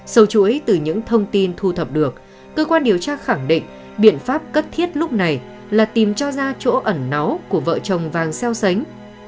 sâu chuỗi từ những thông tin thu thập được cơ quan điều tra khẳng định biện pháp cấp thiết lúc này là tìm cho ra chỗ ẩn náu của vợ chồng vàng xeo xánh